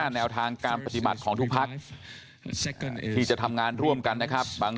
แนวทางการปฏิบัติของทุกพักที่จะทำงานร่วมกันนะครับบาง